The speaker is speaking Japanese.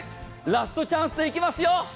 ラストチャンスでいきますよ！